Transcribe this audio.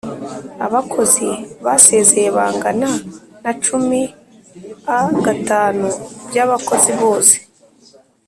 abakozi basezeye bangana na cumin a gatanu by’abakozi bose